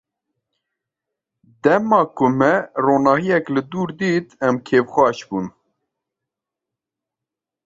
Dema ku me ronahiyek li dûr dît, em kêfxweş bûn.